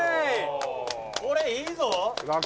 「これいいぞ！」